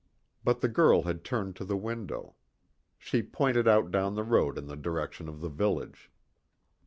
But the girl had turned to the window. She pointed out down the road in the direction of the village.